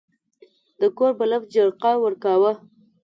د کور بلب جرقه ورکاوه.